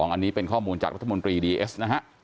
อันนี้เป็นข้อมูลจากรัฐมนตรีดีเอสนะฮะ